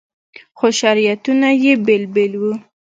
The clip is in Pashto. خو شریعتونه یې بېل بېل وو.